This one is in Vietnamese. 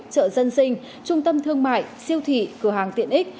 chợ dân sinh trung tâm thương mại siêu thị cửa hàng tiện ích